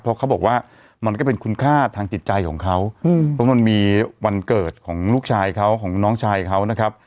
เพราะเขาบอกว่ามันก็เป็นคุณค่าทางจิตใจของเขาเพราะมันมีวันเกิดของลูกชายเขาของน้องชายเขานะครับ